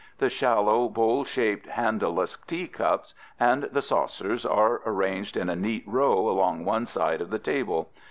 The shallow, bowl shaped, handleless teacups and the saucers are arranged in a neat row along one side of the table.